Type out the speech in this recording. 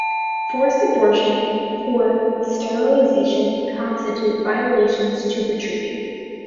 Forced abortion or sterilization constitute violations to the treaty.